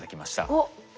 おっ。